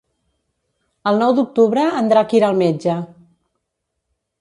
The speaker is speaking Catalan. El nou d'octubre en Drac irà al metge.